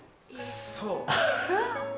そう。